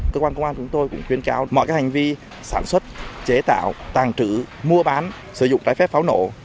cơ quan công an chúng tôi cũng khuyên cáo mọi hành vi sản xuất chế tạo tàng trữ mua bán sử dụng trái phép pháo nổ